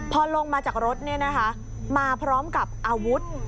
พอลงมาจากรถเนี่ยนะคะมาพร้อมกับอาวุธ